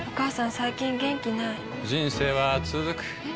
最近元気ない人生はつづくえ？